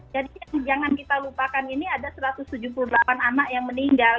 jadi jangan kita lupakan ini ada satu ratus tujuh puluh delapan anak yang meninggal